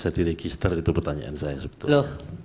saya diregister itu pertanyaan saya sebetulnya